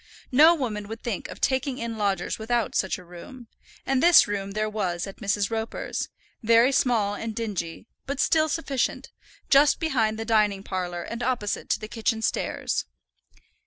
No woman would think of taking in lodgers without such a room; and this room there was at Mrs. Roper's, very small and dingy, but still sufficient, just behind the dining parlour and opposite to the kitchen stairs.